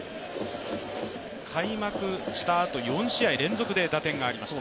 開幕したあと４試合連続で打点がありました。